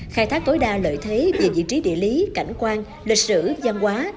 khai thác tối đa lợi thế về vị trí địa lý cảnh quan lịch sử gian hóa